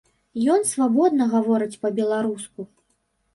Ён свабодна гаворыць па-беларуску.